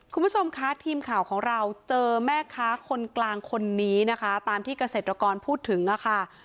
คุณผู้ชมคะทีมข่าวของเราเจอแม่ค้าคนกลางคนนี้นะคะตามที่เกษตรกรพูดถึงค่ะ